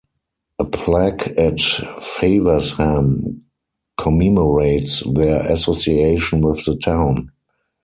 A plaque at Faversham commemorates their association with the town.